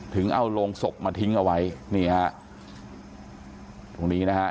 ถึงเอาโรงศพมาทิ้งเอาไว้นี่ฮะตรงนี้นะฮะ